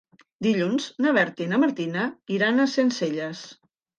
Dilluns na Berta i na Martina iran a Sencelles.